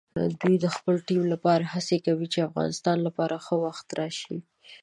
دوی د خپل ټیم لپاره هڅې کوي چې د افغانستان لپاره ښه وخت راشي.